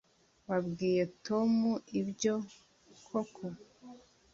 wabwiye tom ibyo koko